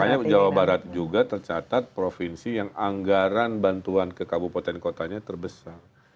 makanya jawa barat juga tercatat provinsi yang anggaran bantuan ke kabupaten kotanya terbesar